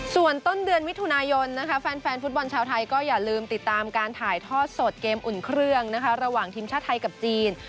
ส่วนต้นเดือนมิถุนายนแฟนฟุตบอลชาวไทยก็อย่าลืมติดตามการถ่ายทอดสดเกมอุ่นเครื่องระหว่างทีมชาติไทยกับจีน